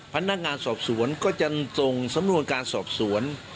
พนักงานสอบสวนก็จะส่งสำนวนการสอบสวน